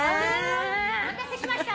お待たせしました。